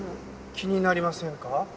気になりませんか？